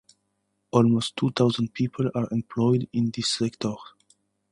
Almost two thousand people are employed in this sector.